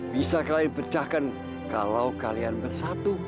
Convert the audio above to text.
bisa kalian pecahkan kalau kalian bersatu